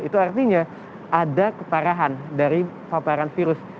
itu artinya ada keparahan dari paparan virus